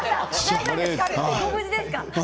ご無事ですか？